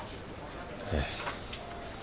ええ。